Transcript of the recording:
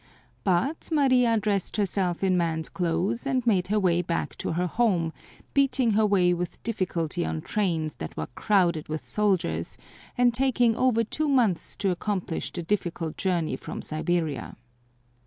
But Maria dressed herself in man's clothes and made her way back to her home, beating her way with difficulty on trains that were crowded with soldiers, and taking over two months to accomplish the difficult journey from Siberia.